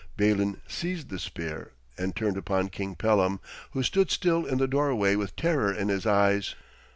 Balin seized the spear, and turned upon King Pellam, who stood still in the doorway with terror in his eyes.